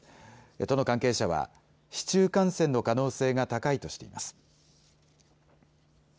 都の関係者は市中感染の可能性が高いとしています。